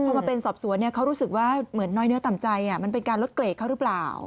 พอมาเป็นสอบสวนเขารู้สึกว่าเหมือนน้อยเนื้อต่ำใจมันเป็นการลดเกรดเขาหรือเปล่า